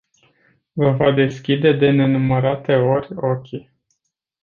Vă va deschide de nenumărate ori ochii.